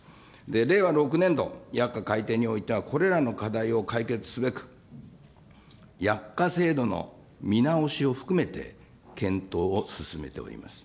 令和６年度、薬価改定においてはこれらの課題を解決すべく、薬価制度の見直しを含めて、検討を進めております。